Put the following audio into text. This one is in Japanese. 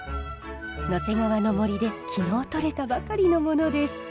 野迫川の森できのうとれたばかりのものです。